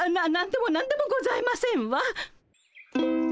何でも何でもございませんわ。